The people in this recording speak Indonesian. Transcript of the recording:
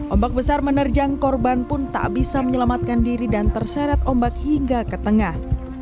ombak besar menerjang korban pun tak bisa menyelamatkan diri dan terseret ombak hingga ke tengah